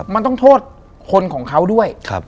มันต้องโทษคนของเขาด้วย